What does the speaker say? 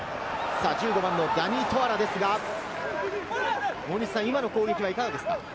１５番のダニー・トアラですが、今の攻撃、いかがですか？